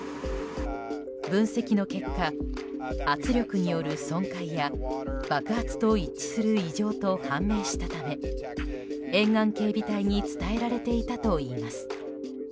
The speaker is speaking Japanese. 分析の結果、圧力による損壊や爆発と一致する異常と判明したため沿岸警備隊に伝えられていたといいます。